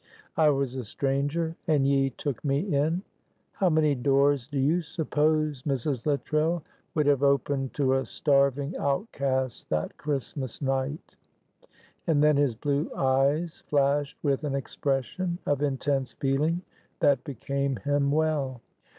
'I was a stranger and ye took me in.' How many doors do you suppose, Mrs. Luttrell, would have opened to a starving outcast that Christmas night?" and then his blue eyes flashed with an expression of intense feeling that became him well.